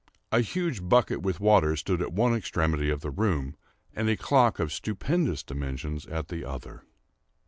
A huge bucket with water stood at one extremity of the room, and a clock of stupendous dimensions at the other.